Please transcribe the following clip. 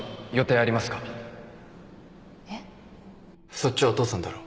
そっちはお父さんだろ？